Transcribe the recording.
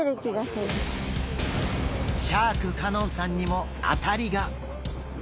シャーク香音さんにも当たりが。